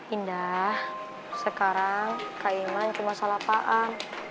indah sekarang kayman cuma salah paan